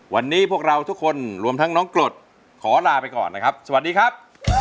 วันนี้พวกเราทุกคนรวมทั้งน้องกรดขอลาไปก่อนนะครับสวัสดีครับ